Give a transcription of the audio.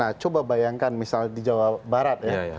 nah coba bayangkan misalnya di jawa barat ya